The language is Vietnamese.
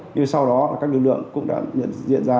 nhưng sau đó các lực lượng cũng đã nhận diện ra